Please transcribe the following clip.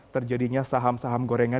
terjadinya saham saham gorengan